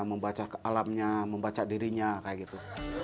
membaca alamnya membaca dirinya kayak gitu